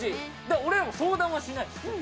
俺らも相談はしないし。